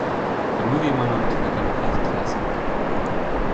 The movie went on to become a cult classic.